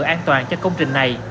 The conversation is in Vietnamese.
an toàn cho công trình này